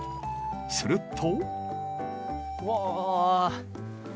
すると？